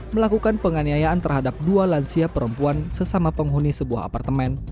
melakukan penganiayaan terhadap dua lansia perempuan sesama penghuni sebuah apartemen